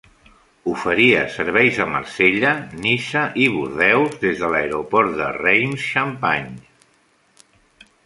Oferia serveis a Marsella, Niça i Bordeus des de l'Aeroport de Reims Champagne.